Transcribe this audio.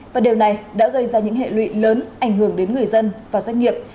và điều này đã gây ra những hệ lụy lớn ảnh hưởng đến người dân và doanh nghiệp